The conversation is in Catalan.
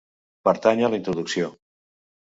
Pertany a la introducció.